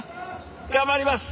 頑張ります。